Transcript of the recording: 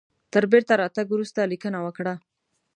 تر بیرته راتګ وروسته لیکنه وکړه.